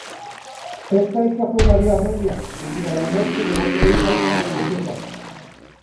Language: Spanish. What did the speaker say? Esta hija fue María Amelia, debido a la muerte de otra hija, María Josefa.